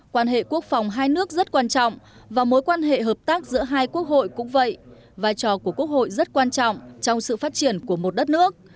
quan hệ quốc phòng hai nước rất quan trọng và mối quan hệ hợp tác giữa hai quốc hội cũng vậy vai trò của quốc hội rất quan trọng trong sự phát triển của một đất nước